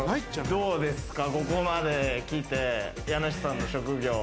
どうですか、ここまで来て家主さんの職業。